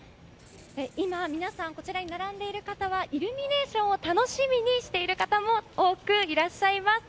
今、皆さんこちらに並んでいる方はイルミネーションを楽しみにしている方も多くいらっしゃいます。